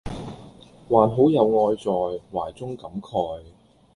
還好有愛在懷中感慨